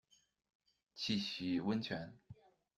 去洗温泉